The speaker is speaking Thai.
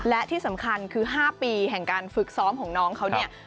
และที่สำคัญคือ๕ปีแห่งการฝึกซ้อมของน้องเขาเนี่ย